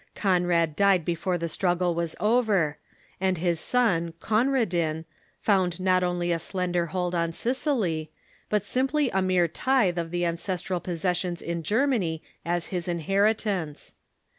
Conrad died before the struggle was over, and his son Conradin found not only a slender hold on Sicily, but simply a mere tithe of the ancestral possessions in Germany as his inheritance.